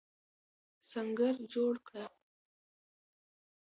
سنګر جوړ کړه.